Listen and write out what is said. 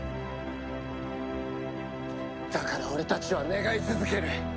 だから俺たちは願い続ける！